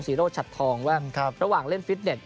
โรชัดทองบ้างระหว่างเล่นฟิตเน็ต